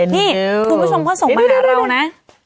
นี่คุณผู้ชมเขาส่งมาหาเรานะ